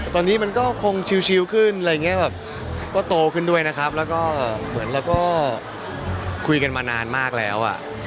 ตอนนี้มันก็คงชิวขึ้นก็โตขึ้นด้วยแล้วก็คุยกันมานานมากแล้ว